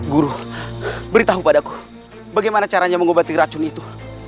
guru beritahu padaku bagaimana caranya mengobati racun itu